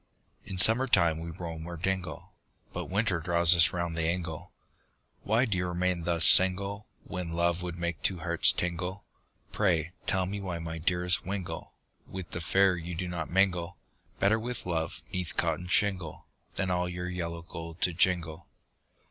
In summer time we roam o'er dingle, But winter draws us round the ingle, Why do you remain thus single, When love would make two hearts tingle, Pray, tell me why my dearest wingle, With the fair you do not mingle, Better with love 'neath cot of shingle, Than all your yellow gold to jingle.